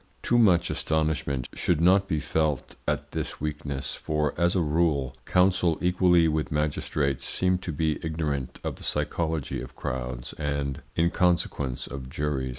Too much astonishment should not be felt at this weakness, for, as a rule, counsel equally with magistrates seem to be ignorant of the psychology of crowds and, in consequence, of juries.